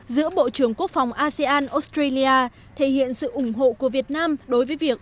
giữa bộ trưởng quốc phòng asean australia thể hiện sự ủng hộ của việt nam đối với việc